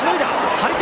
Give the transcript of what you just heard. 張り手。